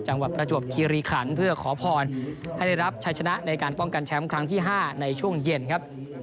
ประจวบคีรีขันเพื่อขอพรให้ได้รับชัยชนะในการป้องกันแชมป์ครั้งที่๕ในช่วงเย็นครับ